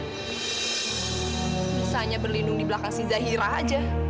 bisa hanya berlindung di belakang zaira saja